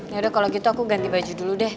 yaudah kalau gitu aku ganti baju dulu deh